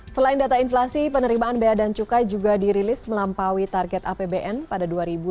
selain data inflasi penerimaan bea dan cukai juga dirilis melampaui target apbn pada dua ribu delapan belas